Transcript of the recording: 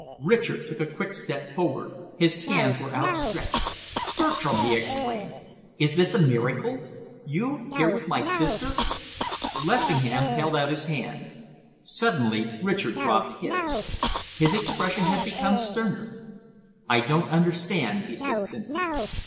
Richard took a quick step forward. His hands were outstretched. "Bertram!" he exclaimed. "Is this a miracle? You here with my sister?" Lessingham held out his hand. Suddenly Richard dropped his. His expression had become sterner. "I don't understand," he said simply.